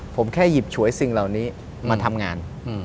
ผมแค่หยิบฉวยสิ่งเหล่านี้มาทำงาน